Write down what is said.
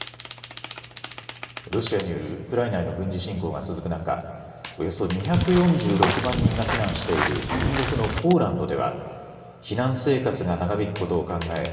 ロシアによるウクライナへの軍事侵攻が続く中、およそ２４６万人が避難している隣国のポーランドでは避難生活が長引くことを考え